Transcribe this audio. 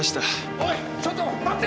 おいちょっと待って！